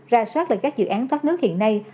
ra soát lại các dự án thoát nước hiện nay